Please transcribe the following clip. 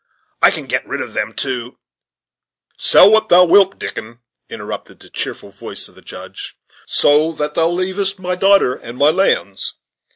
I can get rid of them to " "Sell what thou wilt, Dickon," interrupted the cheerful voice of the Judge, "so that thou leavest me my daughter and my lands.